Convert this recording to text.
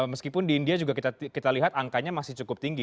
meskipun di india juga kita lihat angkanya masih cukup tinggi